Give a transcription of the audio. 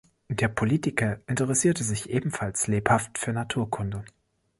Der Politiker interessierte sich ebenfalls lebhaft für Naturkunde.